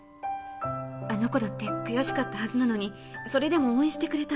あの子だって悔しかったはずなのに、それでも応援してくれた。